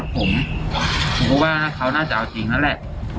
ผมคิดว่าน่าเขาน่าจะเอาจริงนั่นแหละ